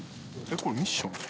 これミッション？